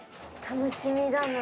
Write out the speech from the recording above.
楽しみだな。